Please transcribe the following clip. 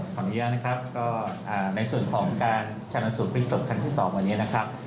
ขออนุญาตนะครับก็ในส่วนของการชนะสูตรพลิกศพครั้งที่๒วันนี้นะครับ